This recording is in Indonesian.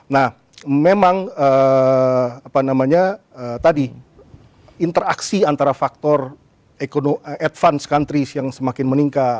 nah memang apa namanya tadi interaksi antara faktor advance countries yang semakin meningkat